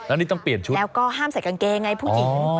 แล้วนี่ต้องเปลี่ยนชุดแล้วก็ห้ามใส่กางเกงไงผู้หญิง